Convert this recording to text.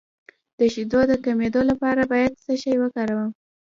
د شیدو د کمیدو لپاره باید څه شی وکاروم؟